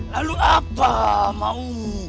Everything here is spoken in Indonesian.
lalu apa mau